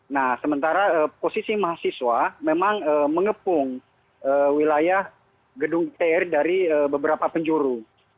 nah sementara posisi mahasiswa memang mengepung wilayah gedung dpr dari beberapa penjuru